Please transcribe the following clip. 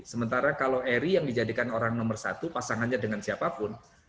sementara kalau eri yang dijadikan orang nomor satu pasangannya dengan siapapun